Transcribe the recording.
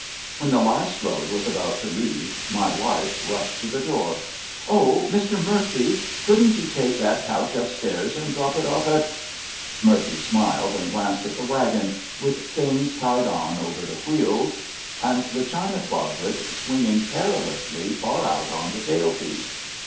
When the last load was about to leave my wife rushed to the door. "Oh, Mr. Murphy, couldn't you take that couch upstairs and drop it off at " Murphy smiled and glanced at the wagon, with things tied on over the wheels, and the china closet swinging perilously far out on the tail piece.